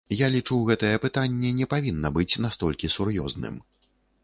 Я лічу, гэтае пытанне не павінна быць настолькі сур'ёзным.